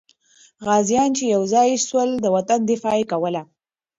غازیان چې یو ځای سول، د وطن دفاع یې کوله.